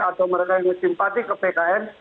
atau mereka yang bersimpati ke pkn